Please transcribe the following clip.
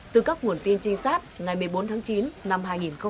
từ các nguồn tin trinh sát ngày một mươi bốn tháng chín năm hai nghìn hai mươi ba